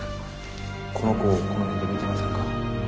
この子をこの辺で見てませんか？